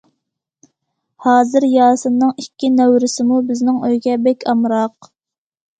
ھازىر ياسىننىڭ ئىككى نەۋرىسىمۇ بىزنىڭ ئۆيگە بەك ئامراق.